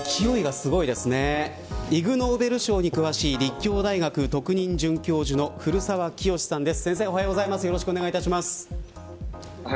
イグ・ノーベル賞に詳しい立教大学の特任准教授の古澤輝由さんです。